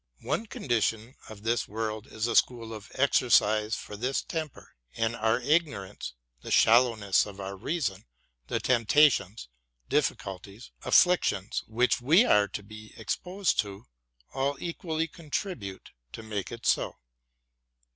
One condition in this world is a school of exercise for this temper ; and our ignorance, the shallowness of our reason, the temptations, difficulties, afflictions which we are exposed to, all equally contribute to make it so.